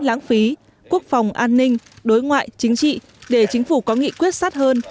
lãng phí quốc phòng an ninh đối ngoại chính trị để chính phủ có nghị quyết sát hơn